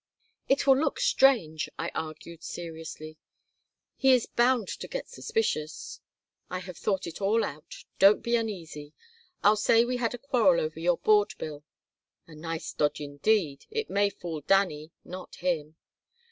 It will look strange," I argued, seriously. "He is bound to get suspicious." "I have thought it all out. Don't be uneasy. I'll say we had a quarrel over your board bill." "A nice dodge, indeed! It may fool Dannie, not him."